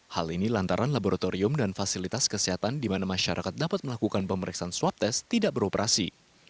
hal ini lantaran laboratorium dan fasilitas kesehatan di mana masyarakat dapat melakukan pemeriksaan swab test tidak beroperasi